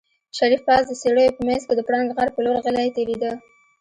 شريف پاس د څېړيو په منځ کې د پړانګ غار په لور غلی تېرېده.